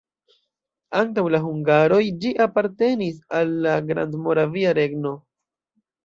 Antaŭ la hungaroj ĝi apartenis al la Grandmoravia Regno.